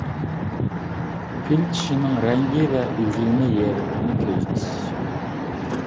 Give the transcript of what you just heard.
پىل چىشىنىڭ رەڭگى ۋە ئۈزۈلمە يېرىقنى كۆزىتىش.